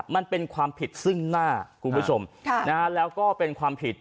มันเป็นความผิดซึ่งหน้าคุณผู้ชมแล้วก็เป็นความผิด